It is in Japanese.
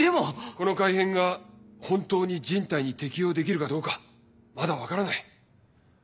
この改変が本当に人体に適用できるかどうかまだ分からない。